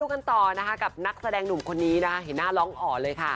กันต่อนะคะกับนักแสดงหนุ่มคนนี้นะคะเห็นหน้าร้องอ๋อเลยค่ะ